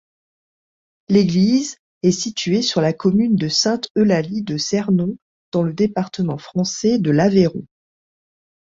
L'église est située sur la commune de Sainte-Eulalie-de-Cernon, dans le département français de l'Aveyron.